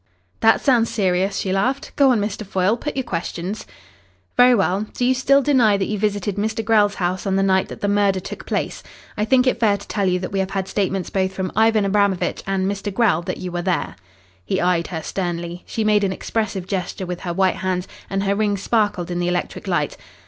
"That sounds serious," she laughed. "Go on, Mr. Foyle. Put your questions." "Very well. Do you still deny that you visited Mr. Grell's house on the night that the murder took place? I think it fair to tell you that we have had statements both from Ivan Abramovitch and Mr. Grell that you were there." He eyed her sternly. She made an expressive gesture with her white hands, and her rings sparkled in the electric light.